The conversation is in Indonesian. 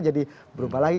jadi berubah lagi